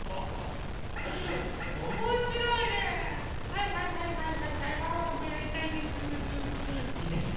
はいはいはいはいはいはいワンワンもやりたいです。